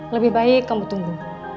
lebih baik kamu tunggu